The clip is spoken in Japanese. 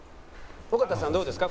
「尾形さんどうですか？